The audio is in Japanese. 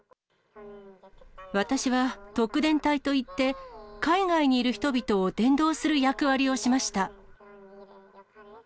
私は特伝隊といって海外にいる人々を伝道する役割をしました。